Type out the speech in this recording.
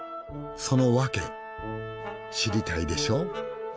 その訳知りたいでしょ？